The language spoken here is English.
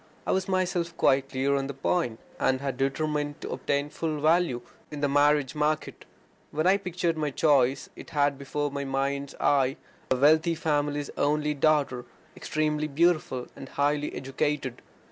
I was myself quite clear on the point, and had determined to obtain my full value in the marriage market. When I pictured my choice, I had before my mind's eye a wealthy father's only daughter, extremely beautiful and highly educated.